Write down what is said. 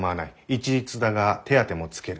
一律だが手当もつける。